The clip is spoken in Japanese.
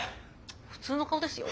普通の顔ですよ。